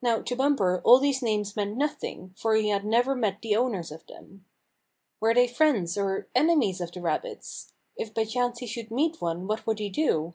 Now to Bumper all these 12 Bumper Hunts With the Pack names meant nothing, for he had never met the owners of them. Were they friends or enemies of the rabbits? If by chance he should meet one what would he do?